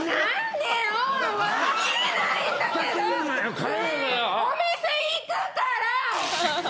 ねえお店行くから！